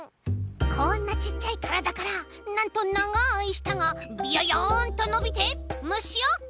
こんなちっちゃいからだからなんとながいしたがビヨヨンとのびてむしをキャッチ！